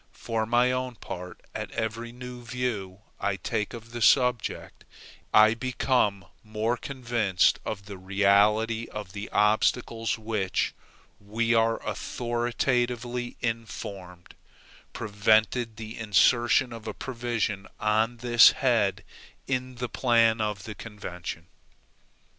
For my own part, at every new view I take of the subject, I become more convinced of the reality of the obstacles which, we are authoritatively informed, prevented the insertion of a provision on this head in the plan of the convention.